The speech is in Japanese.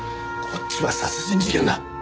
こっちは殺人事件だ！